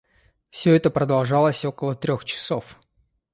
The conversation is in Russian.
Все это продолжалось около трех часов.